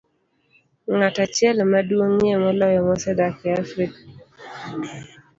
Ng'at achiel maduong'ie moloyo mosedak e Afrika